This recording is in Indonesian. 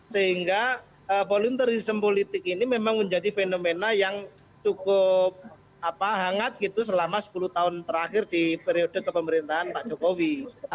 sehingga volunterism politik ini memang menjadi fenomena yang cukup hangat gitu selama sepuluh tahun terakhir di periode kepemerintahan pak jokowi